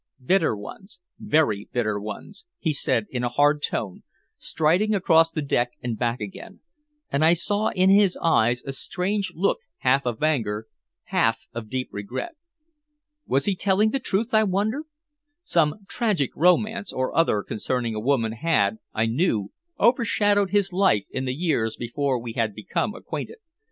Bitter ones very bitter ones," he said in a hard tone, striding across the deck and back again, and I saw in his eyes a strange look, half of anger, half of deep regret. Was he telling the truth, I wondered? Some tragic romance or other concerning a woman had, I knew, overshadowed his life in the years before we had become acquainted.